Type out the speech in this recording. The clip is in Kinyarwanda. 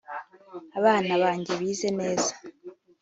Abana banjye bize neza